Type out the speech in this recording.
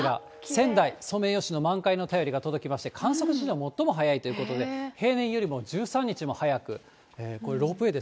仙台、ソメイヨシノ満開の便りが届きまして、観測史上最も早いということで、平年よりも１３日も早く。